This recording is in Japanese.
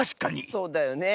そうだよね。